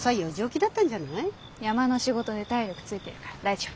山の仕事で体力ついてるから大丈夫。